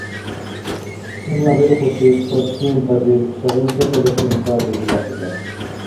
ХӀуни абилкьути спортсментазир сегъунти къиликъуни кали дигахъади?